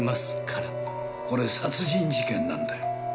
これ殺人事件なんだよ。